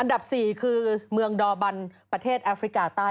๔คือเมืองดอบันประเทศแอฟริกาใต้